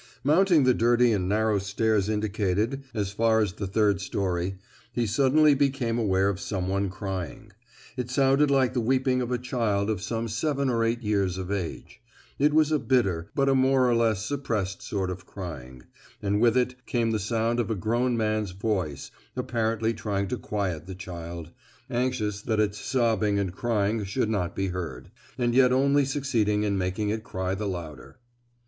Mounting the dirty and narrow stairs indicated, as far as the third storey, he suddenly became aware of someone crying. It sounded like the weeping of a child of some seven or eight years of age; it was a bitter, but a more or less suppressed sort of crying, and with it came the sound of a grown man's voice, apparently trying to quiet the child—anxious that its sobbing and crying should not be heard,—and yet only succeeding in making it cry the louder.